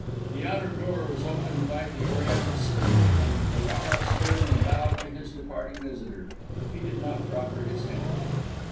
The outer door was opened by the Oriental servant, and Ferrara stood and bowed to his departing visitor. He did not proffer his hand.